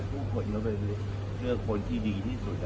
อเจมส์ก็ไม่รู้แล้วกะผู้คนก็เป็นเลือกคนที่ดีที่สุด